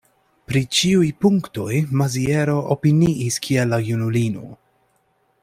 Pri ĉiuj punktoj Maziero opiniis kiel la junulino.